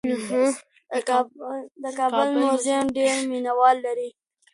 د کابل موزیم ډېر مینه وال لري.